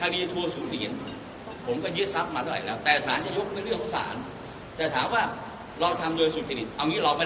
เรื่องคดีเช่นเรื่องสหกรหัวทรรวม